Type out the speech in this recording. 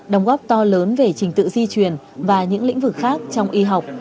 đồng góp to lớn về trình tự di truyền và những lĩnh vực khác trong y học